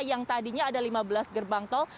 yang tadinya ada lima belas gerbang tol